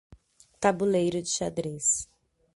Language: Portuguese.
Tabuleiro de xadrez